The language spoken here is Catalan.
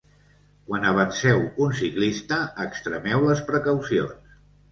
Quan avanceu un ciclista, extremeu les precaucions.